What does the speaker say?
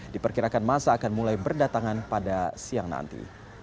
diperkirakan masa akan mulai berdatangan pada siang nanti